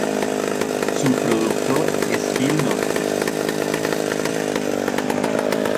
Su productor es Gil Norton.